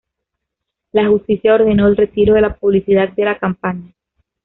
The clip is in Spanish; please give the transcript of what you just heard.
La justicia ordenó el retiro de la publicidad de la campaña.